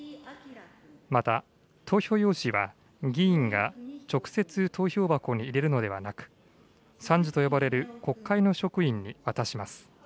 また、投票用紙は議員が直接投票箱に入れるのではなく、参事と呼ばれる国会の職員に渡します。